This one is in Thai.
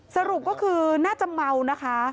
สรุปก็คือน่าจะเมานะคะ